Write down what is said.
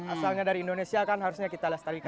asalnya dari indonesia kan harusnya kita lestarikan